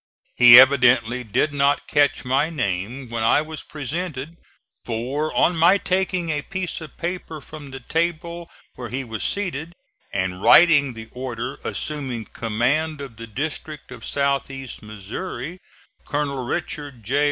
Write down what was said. He evidently did not catch my name when I was presented, for on my taking a piece of paper from the table where he was seated and writing the order assuming command of the district of south east Missouri, Colonel Richard J.